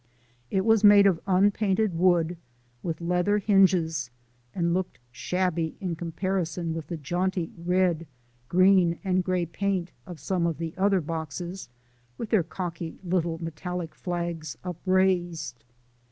It was made of unpainted wood, with leather hinges, and looked shabby in comparison with the jaunty red, green, and gray paint of some of the other boxes (with their cocky little metallic flags upraised).